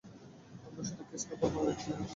আমরা শুধু case number মনে রেখেছি।